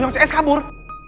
yang cs kabur